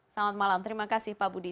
selamat malam terima kasih pak budi